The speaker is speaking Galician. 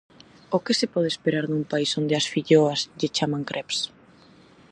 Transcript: O que se pode esperar dun país onde ás filloas lle chaman crepes?